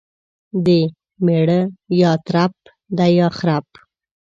دميړه يا ترپ دى يا خرپ.